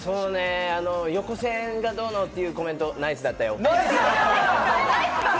横線がどうのっていうコメント、ナイスだったよ。